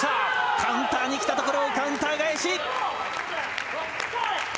カウンターに来たところをカウンター返し。